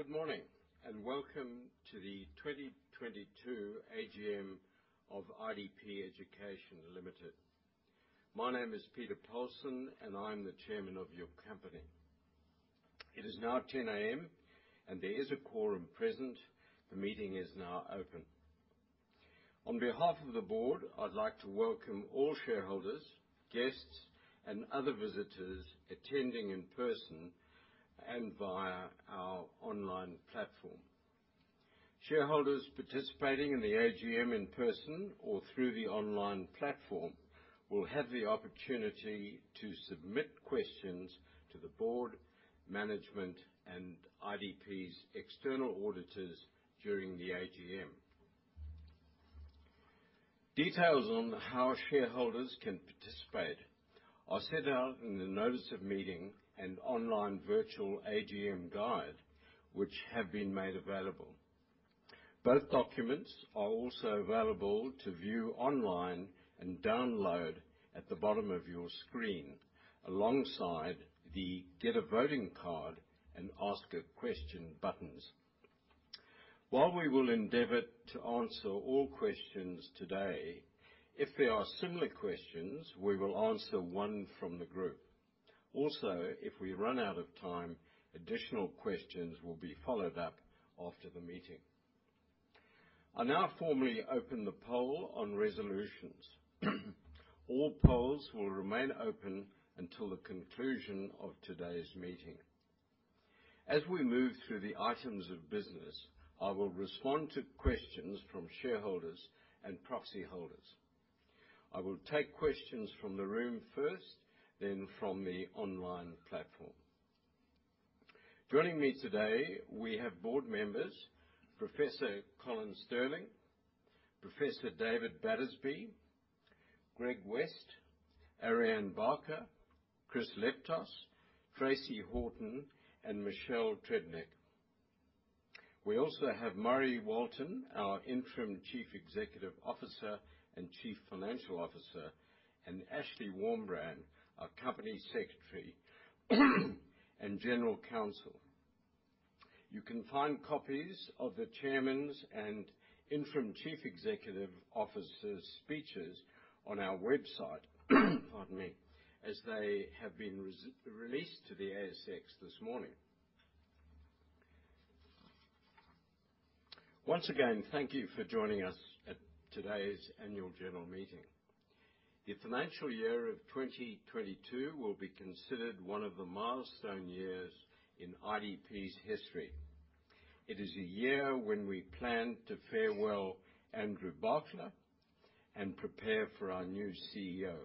Good morning, and welcome to the 2022 AGM of IDP Education Limited. My name is Peter Polson, and I'm the Chairman of your company. It is now 10:00 A.M., and there is a quorum present. The meeting is now open. On behalf of the board, I'd like to welcome all shareholders, guests, and other visitors attending in person and via our online platform. Shareholders participating in the AGM in person or through the online platform will have the opportunity to submit questions to the board, management, and IDP's external auditors during the AGM. Details on how shareholders can participate are set out in the notice of meeting and online virtual AGM guide, which have been made available. Both documents are also available to view online and download at the bottom of your screen alongside the Get a Voting Card and Ask a Question buttons. While we will endeavor to answer all questions today, if there are similar questions, we will answer one from the group. Also, if we run out of time, additional questions will be followed up after the meeting. I now formally open the poll on resolutions. All polls will remain open until the conclusion of today's meeting. As we move through the items of business, I will respond to questions from shareholders and proxy holders. I will take questions from the room first, then from the online platform. Joining me today, we have board members, Professor Colin Stirling, Professor David Battersby, Greg West, Ariane Barker, Chris Leptos, Tracey Horton, and Michelle Tredenick. We also have Murray Walton, our Interim Chief Executive Officer and Chief Financial Officer, and Ashley Warmbrand, our Company Secretary and General Counsel. You can find copies of the Chairman's and Interim Chief Executive Officer's speeches on our website. Pardon me. As they have been released to the ASX this morning. Once again, thank you for joining us at today's annual general meeting. The financial year of 2022 will be considered one of the milestone years in IDP's history. It is a year when we plan to farewell Andrew Barkla and prepare for our new CEO.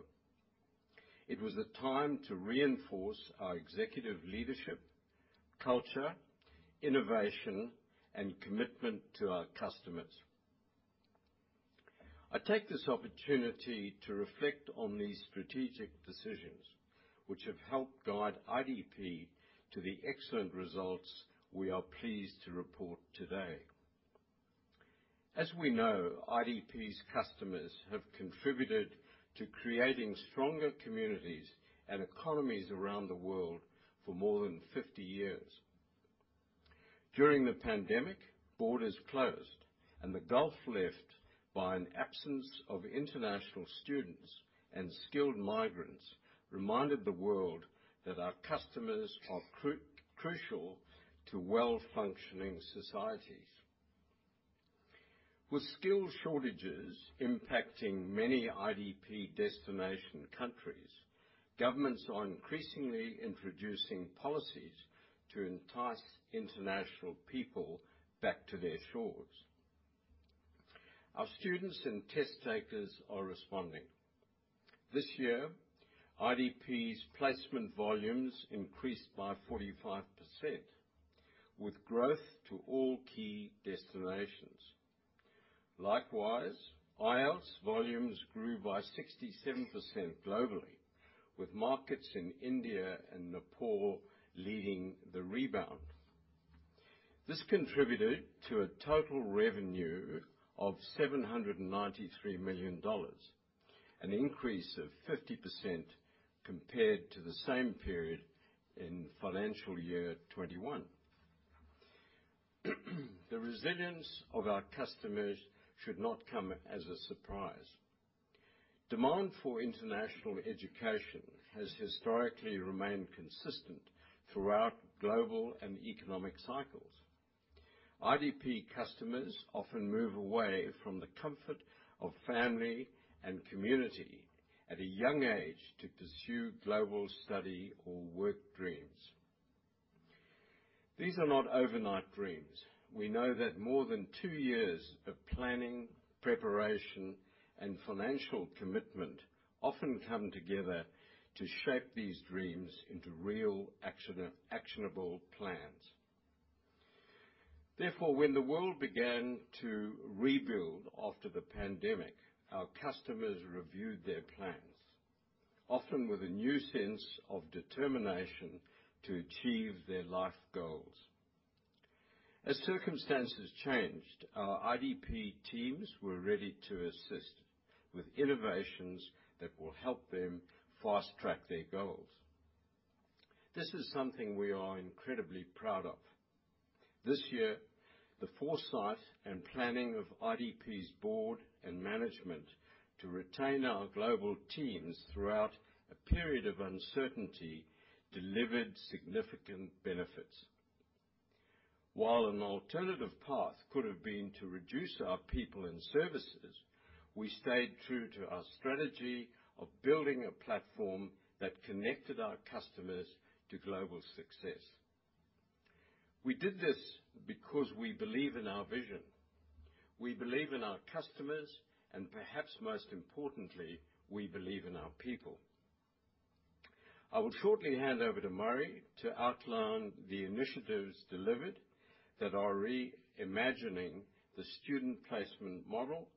It was a time to reinforce our executive leadership, culture, innovation, and commitment to our customers. I take this opportunity to reflect on these strategic decisions, which have helped guide IDP to the excellent results we are pleased to report today. As we know, IDP's customers have contributed to creating stronger communities and economies around the world for more than 50 years. During the pandemic, borders closed, and the gulf left by an absence of international students and skilled migrants reminded the world that our customers are crucial to well-functioning societies. With skill shortages impacting many IDP destination countries, governments are increasingly introducing policies to entice international people back to their shores. Our students and test takers are responding. This year, IDP's placement volumes increased by 45%, with growth to all key destinations. Likewise, IELTS volumes grew by 67% globally, with markets in India and Nepal leading the rebound. This contributed to a total revenue of 793 million dollars, an increase of 50% compared to the same period in financial year 2021. The resilience of our customers should not come as a surprise. Demand for international education has historically remained consistent throughout global and economic cycles. IDP customers often move away from the comfort of family and community at a young age to pursue global study or work dreams. These are not overnight dreams. We know that more than two years of planning, preparation, and financial commitment often come together to shape these dreams into real actionable plans. Therefore, when the world began to rebuild after the pandemic, our customers reviewed their plans, often with a new sense of determination to achieve their life goals. As circumstances changed, our IDP teams were ready to assist with innovations that will help them fast-track their goals. This is something we are incredibly proud of. This year, the foresight and planning of IDP's board and management to retain our global teams throughout a period of uncertainty delivered significant benefits. While an alternative path could have been to reduce our people and services, we stayed true to our strategy of building a platform that connected our customers to global success. We did this because we believe in our vision. We believe in our customers, and perhaps most importantly, we believe in our people. I will shortly hand over to Murray to outline the initiatives delivered that are reimagining the student placement model,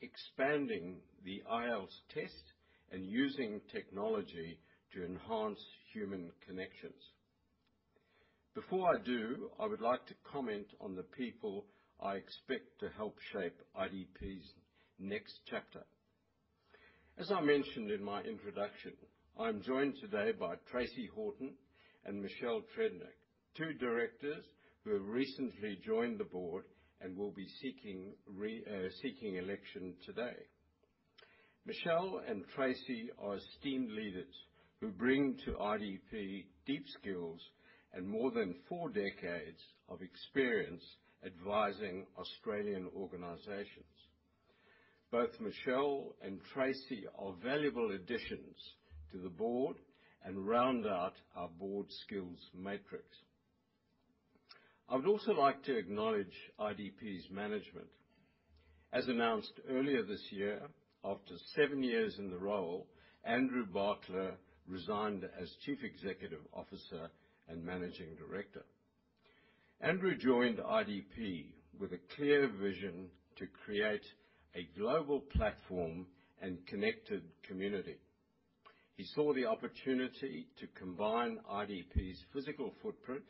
expanding the IELTS test, and using technology to enhance human connections. Before I do, I would like to comment on the people I expect to help shape IDP's next chapter. As I mentioned in my introduction, I'm joined today by Tracey Horton and Michelle Tredenick, two directors who have recently joined the board and will be seeking election today. Michelle and Tracey are esteemed leaders who bring to IDP deep skills and more than four decades of experience advising Australian organizations. Both Michelle and Tracey are valuable additions to the board and round out our board skills matrix. I would also like to acknowledge IDP's management. As announced earlier this year, after seven years in the role, Andrew Barkla resigned as Chief Executive Officer and Managing Director. Andrew joined IDP with a clear vision to create a global platform and connected community. He saw the opportunity to combine IDP's physical footprint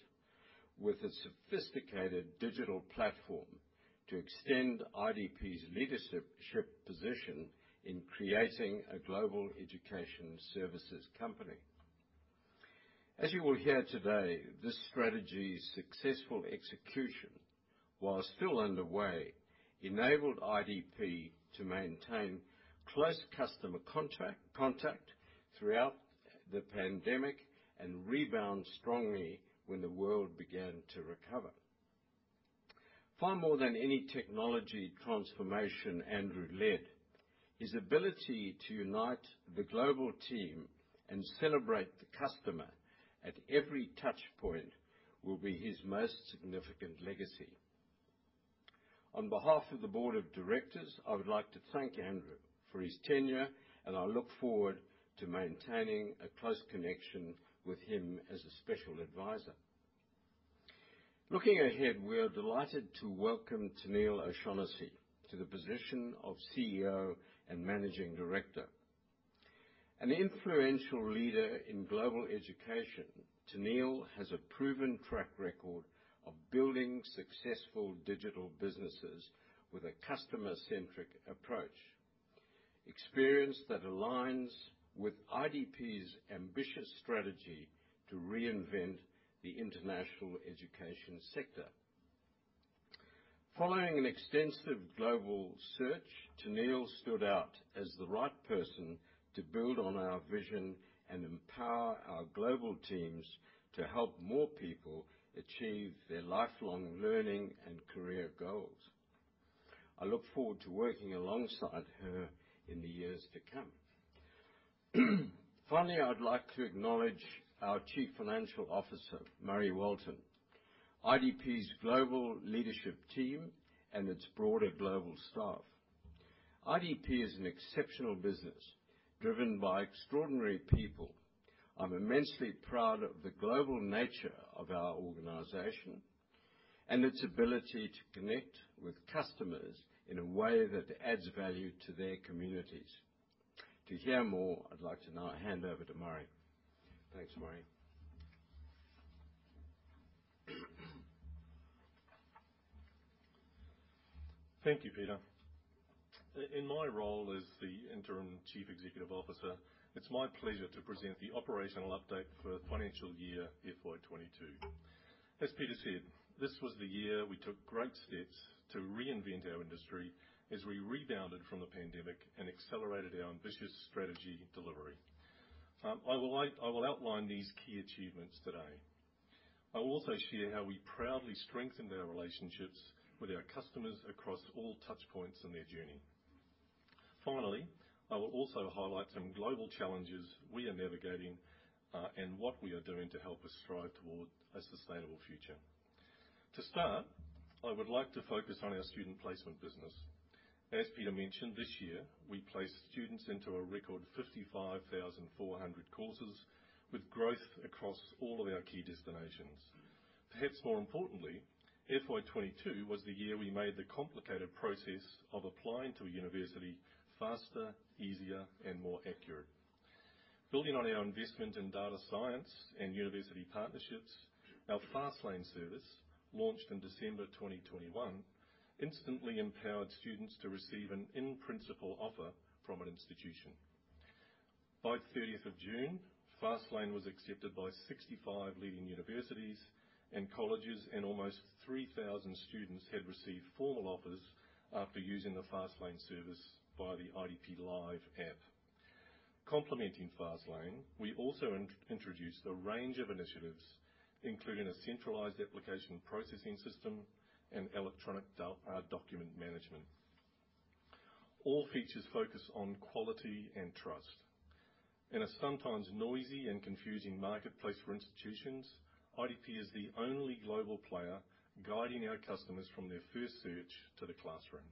with a sophisticated digital platform to extend IDP's leadership position in creating a global education services company. As you will hear today, this strategy's successful execution, while still underway, enabled IDP to maintain close customer contact throughout the pandemic and rebound strongly when the world began to recover. Far more than any technology transformation Andrew led, his ability to unite the global team and celebrate the customer at every touchpoint will be his most significant legacy. On behalf of the board of directors, I would like to thank Andrew for his tenure, and I look forward to maintaining a close connection with him as a special advisor. Looking ahead, we are delighted to welcome Tennealle O'Shannessy to the position of CEO and Managing Director. An influential leader in global education, Tennealle has a proven track record of building successful digital businesses with a customer-centric approach, experience that aligns with IDP's ambitious strategy to reinvent the international education sector. Following an extensive global search, Tennealle stood out as the right person to build on our vision and empower our global teams to help more people achieve their lifelong learning and career goals. I look forward to working alongside her in the years to come. Finally, I'd like to acknowledge our Chief Financial Officer, Murray Walton, IDP's global leadership team, and its broader global staff. IDP is an exceptional business driven by extraordinary people. I'm immensely proud of the global nature of our organization and its ability to connect with customers in a way that adds value to their communities. To hear more, I'd like to now hand over to Murray. Thanks, Murray. Thank you, Peter. In my role as the Interim Chief Executive Officer, it's my pleasure to present the operational update for financial year FY 2022. As Peter said, this was the year we took great steps to reinvent our industry as we rebounded from the pandemic and accelerated our ambitious strategy delivery. I will outline these key achievements today. I will also share how we proudly strengthened our relationships with our customers across all touchpoints in their journey. Finally, I will also highlight some global challenges we are navigating, and what we are doing to help us strive toward a sustainable future. To start, I would like to focus on our student placement business. As Peter mentioned, this year we placed students into a record 55,400 courses with growth across all of our key destinations. Perhaps more importantly, FY 2022 was the year we made the complicated process of applying to a university faster, easier, and more accurate. Building on our investment in data science and university partnerships, our FastLane service, launched in December 2021, instantly empowered students to receive an in-principle offer from an institution. By 13th of June, FastLane was accepted by 65 leading universities and colleges, and almost 3,000 students had received formal offers after using the FastLane service via the IDP Live app. Complementing FastLane, we also introduced a range of initiatives, including a centralized application processing system and electronic document management. All features focus on quality and trust. In a sometimes noisy and confusing marketplace for institutions, IDP is the only global player guiding our customers from their first search to the classroom.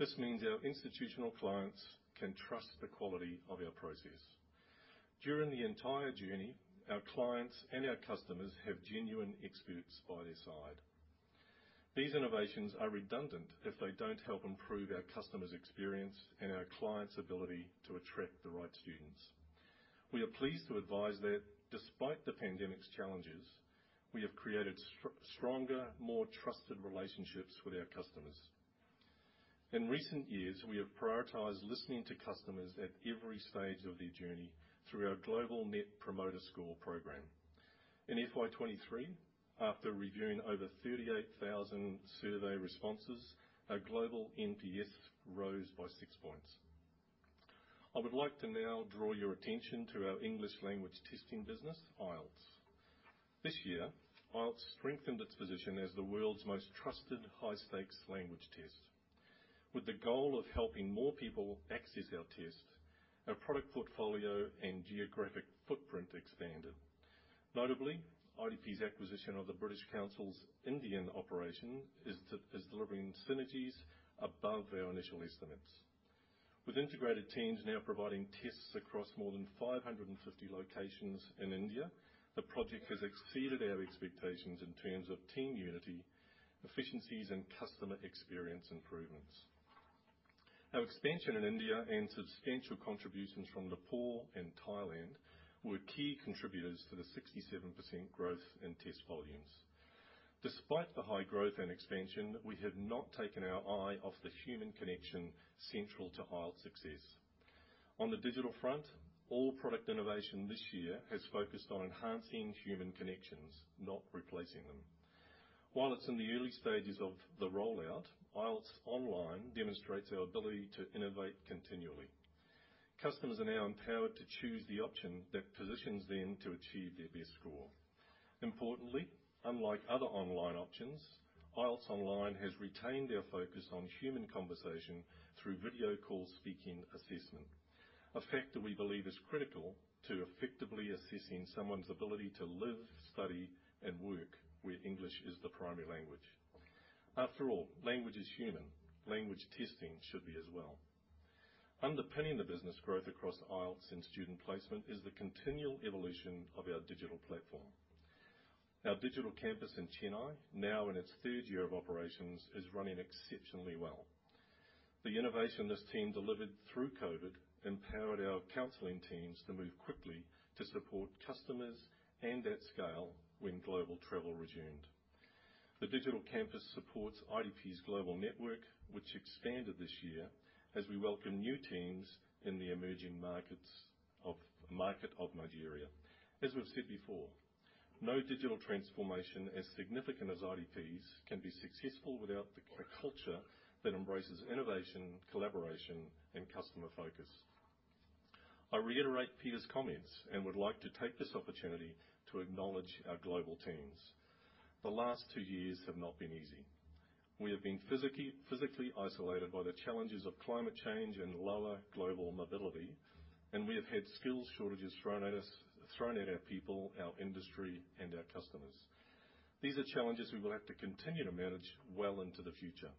This means our institutional clients can trust the quality of our process. During the entire journey, our clients and our customers have genuine experts by their side. These innovations are redundant if they don't help improve our customers' experience and our clients' ability to attract the right students. We are pleased to advise that despite the pandemic's challenges, we have created stronger, more trusted relationships with our customers. In recent years, we have prioritized listening to customers at every stage of their journey through our global Net Promoter Score program. In FY 2023, after reviewing over 38,000 survey responses, our global NPS rose by six points. I would like to now draw your attention to our English language testing business, IELTS. This year, IELTS strengthened its position as the world's most trusted high-stakes language test. With the goal of helping more people access our test, our product portfolio and geographic footprint expanded. Notably, IDP's acquisition of the British Council's Indian operation is delivering synergies above our initial estimates. With integrated teams now providing tests across more than 550 locations in India, the project has exceeded our expectations in terms of team unity, efficiencies, and customer experience improvements. Our expansion in India and substantial contributions from Nepal and Thailand were key contributors to the 67% growth in test volumes. Despite the high growth and expansion, we have not taken our eye off the human connection central to IELTS' success. On the digital front, all product innovation this year has focused on enhancing human connections, not replacing them. While it's in the early stages of the rollout, IELTS Online demonstrates our ability to innovate continually. Customers are now empowered to choose the option that positions them to achieve their best score. Importantly, unlike other online options, IELTS Online has retained our focus on human conversation through video call speaking assessment, a factor we believe is critical to effectively assessing someone's ability to live, study, and work where English is the primary language. After all, language is human. Language testing should be as well. Underpinning the business growth across IELTS and student placement is the continual evolution of our digital platform. Our digital campus in Chennai, now in its third year of operations, is running exceptionally well. The innovation this team delivered through COVID empowered our counseling teams to move quickly to support customers and at scale when global travel resumed. The digital campus supports IDP's global network, which expanded this year as we welcome new teams in the emerging market of Nigeria. As we've said before, no digital transformation as significant as IDP's can be successful without the culture that embraces innovation, collaboration, and customer focus. I reiterate Peter's comments and would like to take this opportunity to acknowledge our global teams. The last two years have not been easy. We have been physically isolated by the challenges of climate change and lower global mobility, and we have had skills shortages thrown at us, our people, our industry, and our customers. These are challenges we will have to continue to manage well into the future.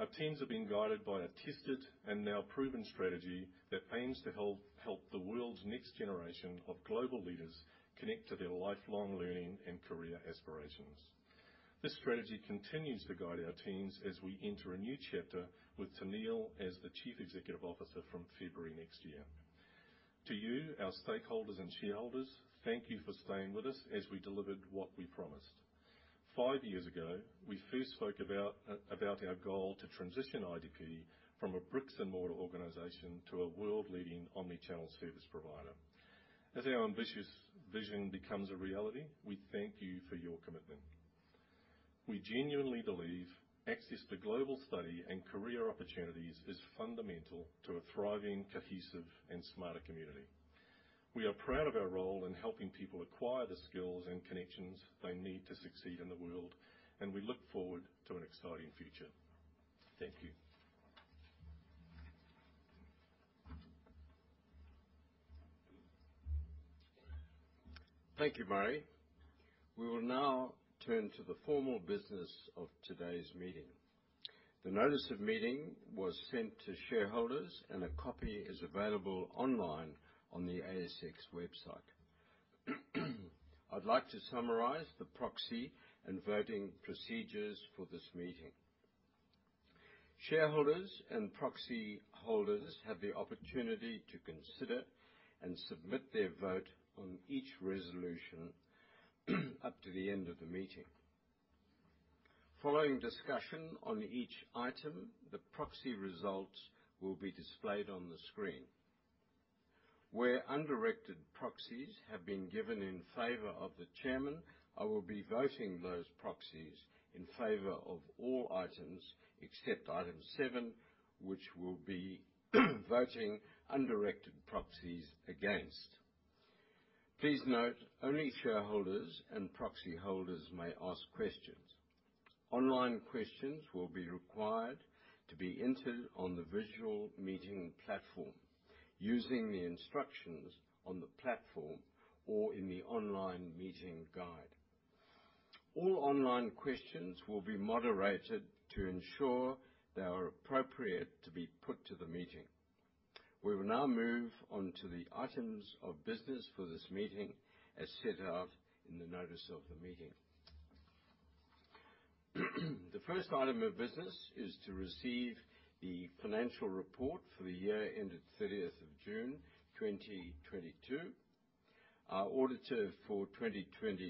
Our teams have been guided by a tested and now proven strategy that aims to help the world's next generation of global leaders connect to their lifelong learning and career aspirations. This strategy continues to guide our teams as we enter a new chapter with Tennealle as the Chief Executive Officer from February next year. To you, our stakeholders and shareholders, thank you for staying with us as we delivered what we promised. Five years ago, we first spoke about our goal to transition IDP from a bricks-and-mortar organization to a world-leading omni-channel service provider. As our ambitious vision becomes a reality, we thank you for your commitment. We genuinely believe access to global study and career opportunities is fundamental to a thriving, cohesive, and smarter community. We are proud of our role in helping people acquire the skills and connections they need to succeed in the world, and we look forward to an exciting future. Thank you. Thank you, Murray. We will now turn to the formal business of today's meeting. The notice of meeting was sent to shareholders and a copy is available online on the ASX website. I'd like to summarize the proxy and voting procedures for this meeting. Shareholders and proxy holders have the opportunity to consider and submit their vote on each resolution up to the end of the meeting. Following discussion on each item, the proxy results will be displayed on the screen. Where undirected proxies have been given in favor of the chairman, I will be voting those proxies in favor of all items, except item seven, which will be voting undirected proxies against. Please note, only shareholders and proxy holders may ask questions. Online questions will be required to be entered on the virtual meeting platform using the instructions on the platform or in the online meeting guide. All online questions will be moderated to ensure they are appropriate to be put to the meeting. We will now move on to the items of business for this meeting as set out in the notice of the meeting. The first item of business is to receive the financial report for the year ended 30th of June 2022. Our auditor for 2022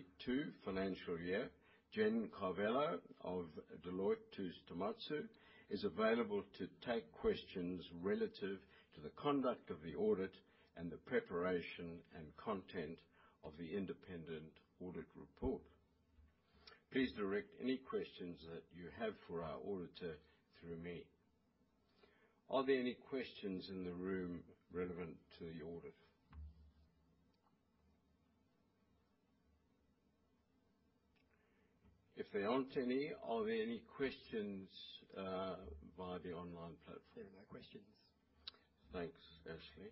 financial year, Jen Carvelo of Deloitte Touche Tohmatsu, is available to take questions relative to the conduct of the audit and the preparation and content of the independent audit report. Please direct any questions that you have for our auditor through me. Are there any questions in the room relevant to the audit? If there aren't any, are there any questions via the online platform? There are no questions. Thanks, Ashley.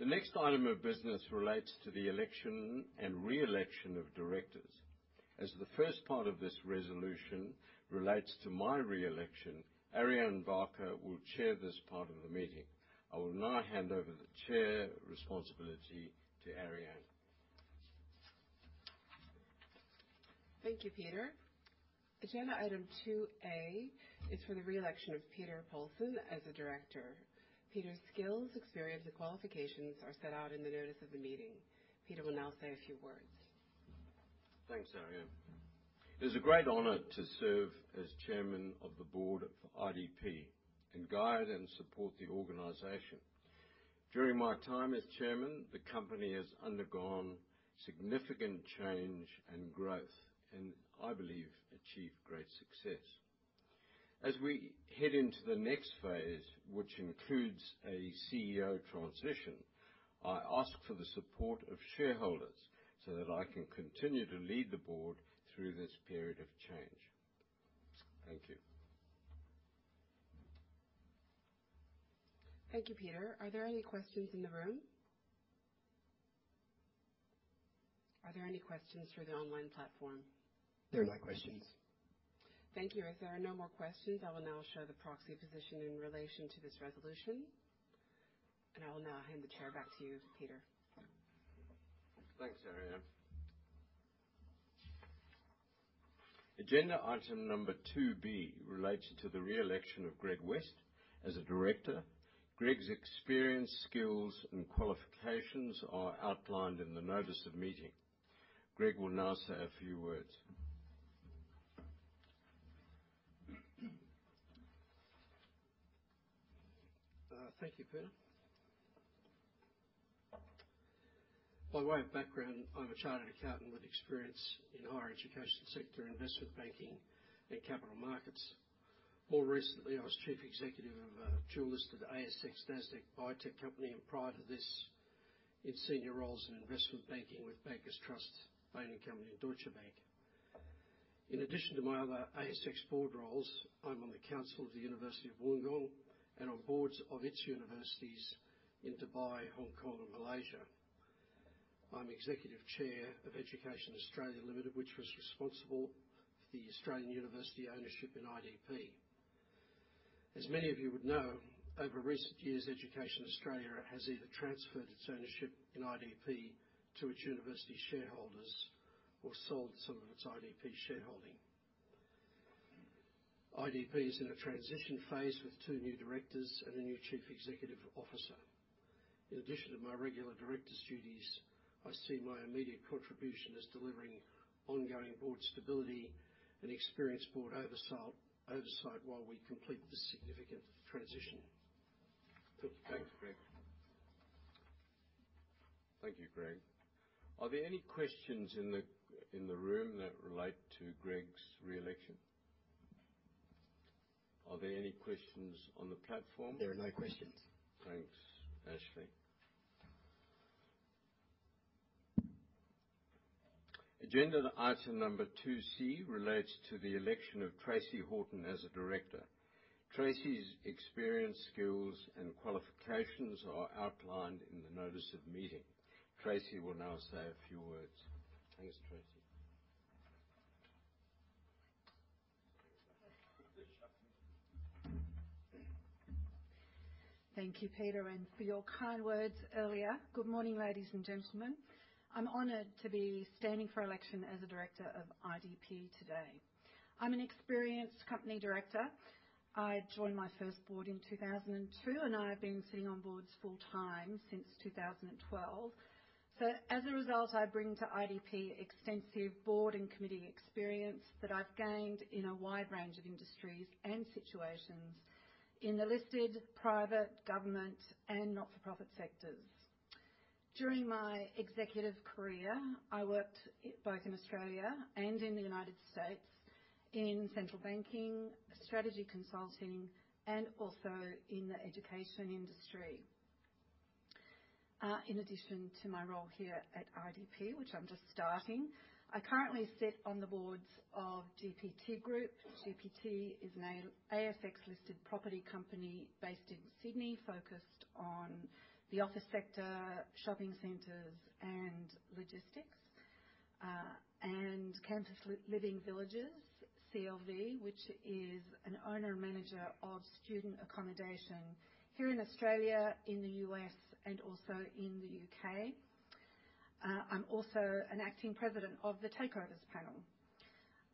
The next item of business relates to the election and re-election of directors. As the first part of this resolution relates to my re-election, Ariane Barker will chair this part of the meeting. I will now hand over the chair responsibility to Ariane. Thank you, Peter. Agenda item 2A is for the re-election of Peter Polson as a director. Peter's skills, experience, and qualifications are set out in the notice of the meeting. Peter will now say a few words. Thanks, Ariane. It is a great honor to serve as chairman of the board for IDP and guide and support the organization. During my time as chairman, the company has undergone significant change and growth, and I believe, achieved great success. As we head into the next phase, which includes a CEO transition, I ask for the support of shareholders, so that I can continue to lead the board through this period of change. Thank you. Thank you, Peter. Are there any questions in the room? Are there any questions through the online platform? There are no questions. Thank you. If there are no more questions, I will now show the proxy position in relation to this resolution. I will now hand the chair back to you, Peter. Thanks, Ariane. Agenda item number 2B relates to the re-election of Greg West as a director. Greg's experience, skills, and qualifications are outlined in the notice of meeting. Greg will now say a few words. Thank you, Peter. By way of background, I'm a chartered accountant with experience in higher education sector, investment banking, and capital markets. More recently, I was Chief Executive of a dual-listed ASX, NASDAQ biotech company, and prior to this, in senior roles in investment banking with Bankers Trust, parent company in Deutsche Bank. In addition to my other ASX board roles, I'm on the council of the University of Wollongong and on boards of its universities in Dubai, Hong Kong, and Malaysia. I'm Executive Chair of Education Australia Limited, which was responsible for the Australian university ownership in IDP. As many of you would know, over recent years, Education Australia has either transferred its ownership in IDP to its university shareholders or sold some of its IDP shareholding. IDP is in a transition phase with two new directors and a new Chief Executive Officer. In addition to my regular director's duties, I see my immediate contribution as delivering ongoing board stability and experienced board oversight while we complete this significant transition. Thank you. Thanks, Greg. Thank you, Greg. Are there any questions in the room that relate to Greg's re-election? Are there any questions on the platform? There are no questions. Thanks, Ashley. Agenda item number 2C relates to the election of Tracey Horton as a director. Tracey's experience, skills, and qualifications are outlined in the notice of meeting. Tracey will now say a few words. Thanks, Tracey. Thank you, Peter, and for your kind words earlier. Good morning, ladies and gentlemen. I'm honored to be standing for election as a director of IDP today. I'm an experienced company director. I joined my first board in 2002, and I have been sitting on boards full-time since 2012. As a result, I bring to IDP extensive board and committee experience that I've gained in a wide range of industries and situations in the listed private government and not-for-profit sectors. During my executive career, I worked both in Australia and in the United States in central banking, strategy consulting, and also in the education industry. In addition to my role here at IDP, which I'm just starting, I currently sit on the boards of GPT Group. GPT is an ASX-listed property company based in Sydney, focused on the office sector, shopping centers, and logistics, and Campus Living Villages, CLV, which is an owner manager of student accommodation here in Australia, in the U.S., and also in the U.K. I'm also an acting president of the Takeovers Panel.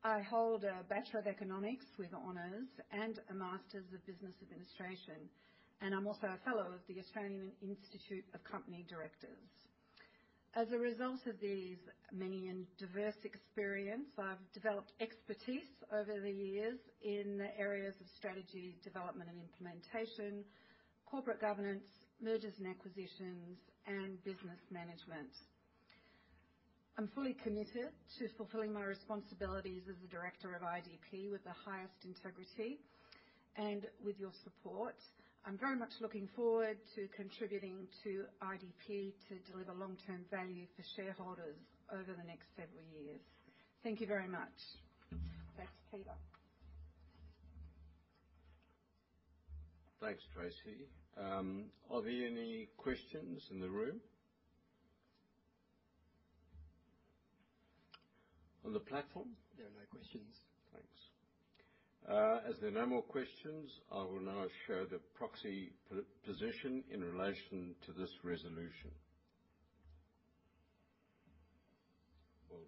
I hold a Bachelor of Economics with honors and a Master's of Business Administration, and I'm also a fellow of the Australian Institute of Company Directors. As a result of these many and diverse experience, I've developed expertise over the years in the areas of strategy, development and implementation, corporate governance, mergers and acquisitions, and business management. I'm fully committed to fulfilling my responsibilities as a director of IDP with the highest integrity and with your support. I'm very much looking forward to contributing to IDP to deliver long-term value for shareholders over the next several years. Thank you very much. Thanks, Peter. Thanks, Tracey. Are there any questions in the room? On the platform? There are no questions. Thanks. As there are no more questions, I will now show the proxy position in relation to this resolution. Well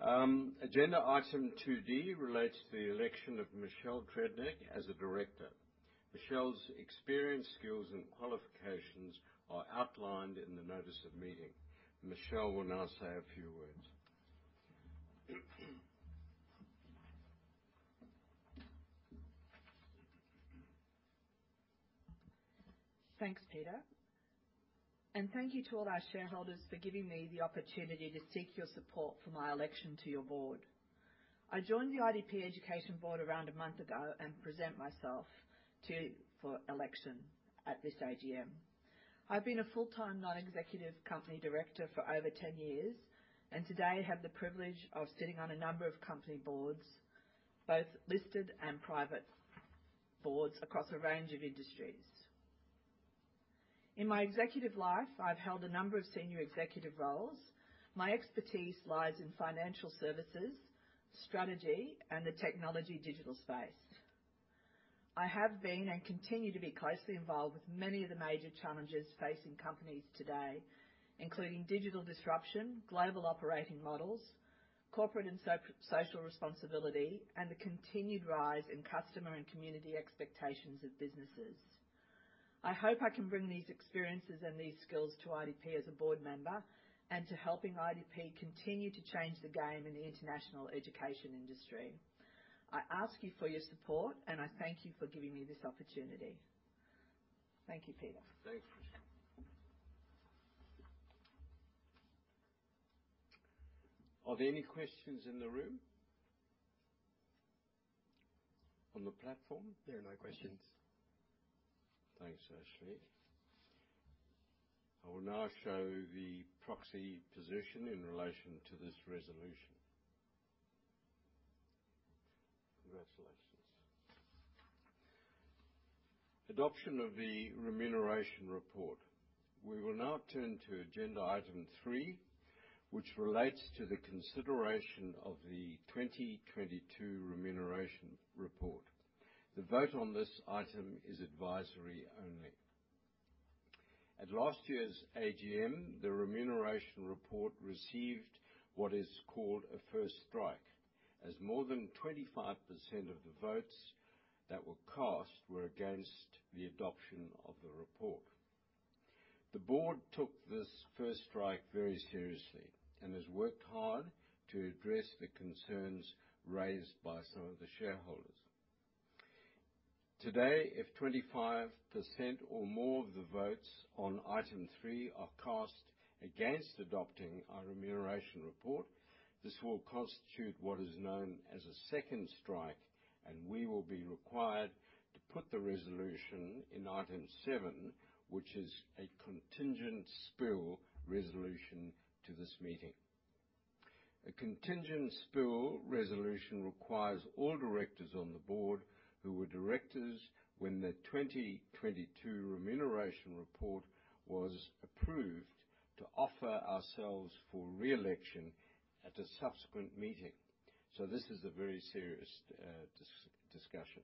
done. Agenda item 2D relates to the election of Michelle Tredenick as a director. Michelle's experience, skills, and qualifications are outlined in the notice of meeting. Michelle will now say a few words. Thanks, Peter, and thank you to all our shareholders for giving me the opportunity to seek your support for my election to your board. I joined the IDP Education Board around a month ago and present myself for election at this AGM. I've been a full-time non-executive company director for over 10 years, and today I have the privilege of sitting on a number of company boards, both listed and private boards across a range of industries. In my executive life, I've held a number of senior executive roles. My expertise lies in financial services, strategy, and the technology digital space. I have been and continue to be closely involved with many of the major challenges facing companies today, including digital disruption, global operating models, corporate and social responsibility, and the continued rise in customer and community expectations of businesses. I hope I can bring these experiences and these skills to IDP as a board member and to helping IDP continue to change the game in the international education industry. I ask you for your support, and I thank you for giving me this opportunity. Thank you, Peter. Thanks. Are there any questions in the room? On the platform? There are no questions. Thanks, Ashley. I will now show the proxy position in relation to this resolution. Congratulations. Adoption of the remuneration report. We will now turn to agenda item three, which relates to the consideration of the 2022 remuneration report. The vote on this item is advisory only. At last year's AGM, the remuneration report received what is called a first strike, as more than 25% of the votes that were cast were against the adoption of the report. The board took this first strike very seriously and has worked hard to address the concerns raised by some of the shareholders. Today, if 25% or more of the votes on item three are cast against adopting our remuneration report, this will constitute what is known as a second strike, and we will be required to put the resolution in item seven, which is a contingent spill resolution to this meeting. A contingent spill resolution requires all directors on the board who were directors when the 2022 remuneration report was approved to offer ourselves for re-election at a subsequent meeting. This is a very serious discussion.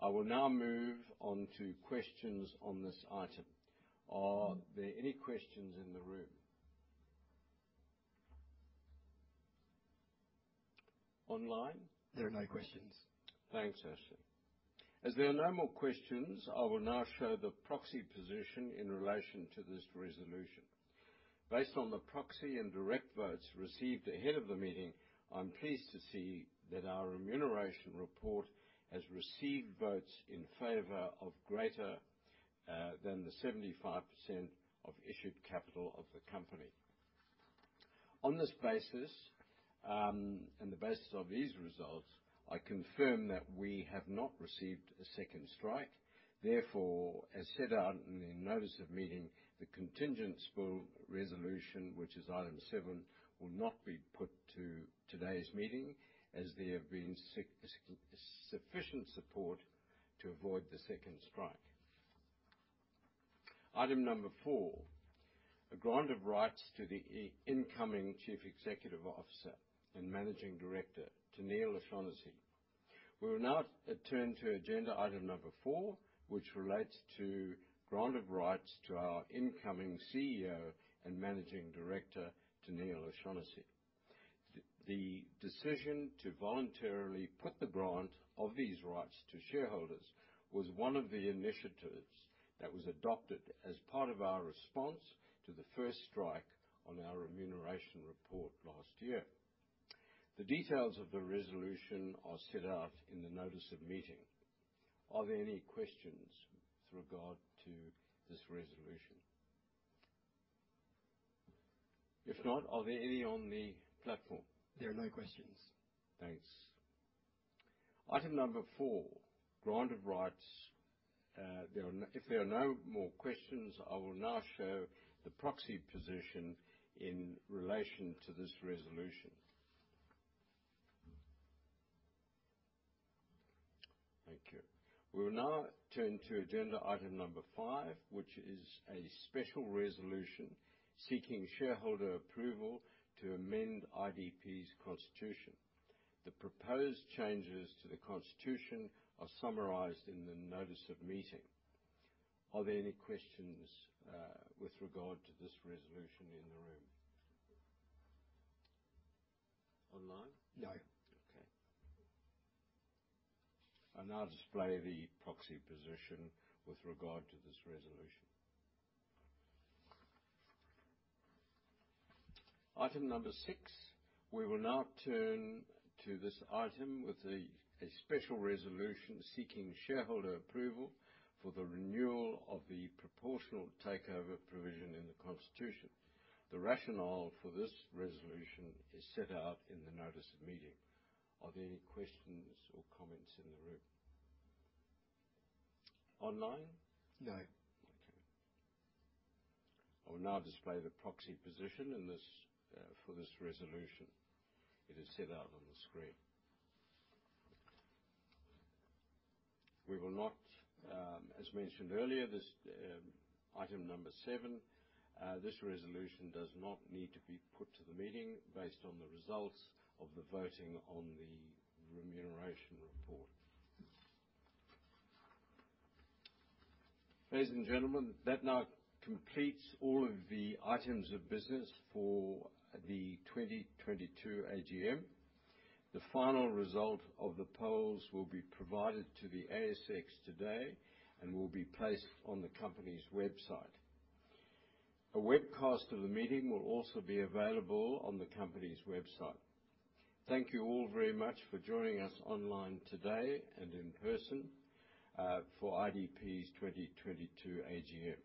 I will now move on to questions on this item. Are there any questions in the room? Online? There are no questions. Thanks, Ashley. As there are no more questions, I will now show the proxy position in relation to this resolution. Based on the proxy and direct votes received ahead of the meeting, I'm pleased to see that our remuneration report has received votes in favor greater than 75% of issued capital of the company. On this basis and the basis of these results, I confirm that we have not received a second strike. Therefore, as set out in the notice of meeting, the contingent spill resolution, which is item seven, will not be put to today's meeting, as there have been sufficient support to avoid the second strike. Item number four, a grant of rights to the incoming Chief Executive Officer and Managing Director, Tennealle O'Shannessy. We will now turn to agenda item number four, which relates to grant of rights to our incoming CEO and Managing Director, Tennealle O'Shannessy. The decision to voluntarily put the grant of these rights to shareholders was one of the initiatives that was adopted as part of our response to the first strike on our remuneration report last year. The details of the resolution are set out in the notice of meeting. Are there any questions with regard to this resolution? If not, are there any on the platform? There are no questions. Thanks. Item number four, grant of rights. If there are no more questions, I will now show the proxy position in relation to this resolution. Thank you. We will now turn to agenda item number five, which is a special resolution seeking shareholder approval to amend IDP's constitution. The proposed changes to the constitution are summarized in the notice of meeting. Are there any questions with regard to this resolution in the room? Online? No. Okay. I'll now display the proxy position with regard to this resolution. Item number six. We will now turn to this item with a special resolution seeking shareholder approval for the renewal of the proportional takeover provision in the constitution. The rationale for this resolution is set out in the notice of meeting. Are there any questions or comments in the room? Online? No. Okay. I will now display the proxy position in this for this resolution. It is set out on the screen. We will not, as mentioned earlier, this item number seven this resolution does not need to be put to the meeting based on the results of the voting on the remuneration report. Ladies and gentlemen, that now completes all of the items of business for the 2022 AGM. The final result of the polls will be provided to the ASX today and will be placed on the company's website. A webcast of the meeting will also be available on the company's website. Thank you all very much for joining us online today and in person for IDP's 2022 AGM,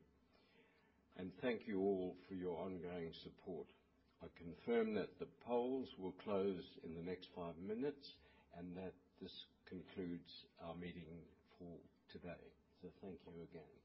and thank you all for your ongoing support. I confirm that the polls will close in the next five minutes and that this concludes our meeting for today. Thank you again.